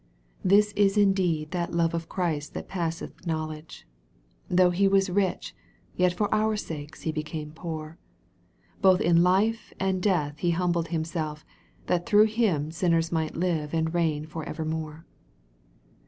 This is indeed that " love of Christ that passeth knowledge." Though He was rich, yet for our sakes He became poor. Both in life and death He humbled Himself, that through Him sinners might live and reign for evermore.